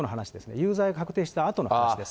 有罪が確定したあとの話です。